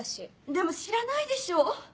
でも知らないでしょ？